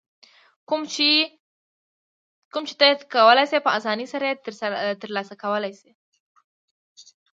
کوم چې ته یې کولای شې په اسانۍ سره یې ترسره کړې.